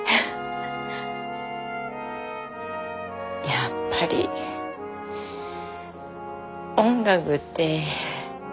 やっぱり音楽っていいね。